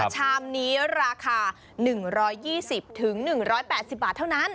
ชามนี้ราคา๑๒๐๑๘๐บาทเท่านั้น